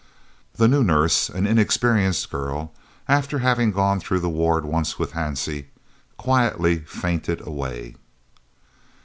The new nurse, an inexperienced girl, after having gone through the ward once with Hansie, quietly fainted away.